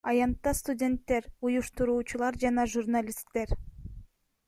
Аянтта студенттер, уюштуруучулар жана журналисттер.